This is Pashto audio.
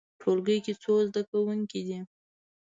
ټولګی کې څو زده کوونکي دي؟